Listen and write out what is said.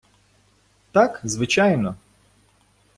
Так, звичайно.